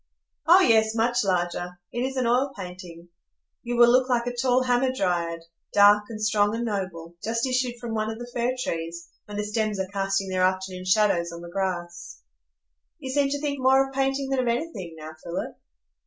"Oh yes, much larger. It is an oil painting. You will look like a tall Hamadryad, dark and strong and noble, just issued from one of the fir trees, when the stems are casting their afternoon shadows on the grass." "You seem to think more of painting than of anything now, Philip?"